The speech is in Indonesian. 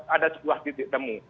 ada sebuah titik temu